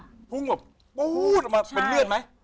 มันพุ่งแบบปู๊ดออกมาเป็นเลือดไหม